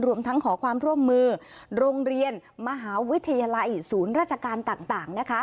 รวมทั้งขอความร่วมมือโรงเรียนมหาวิทยาลัยศูนย์ราชการต่าง